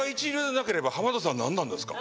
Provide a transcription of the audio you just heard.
浜田さんはなんなんですか？